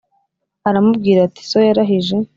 aramubwira ati so yarahije